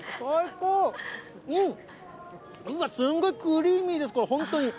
うわ、すんごいクリーミーです、これ、本当に。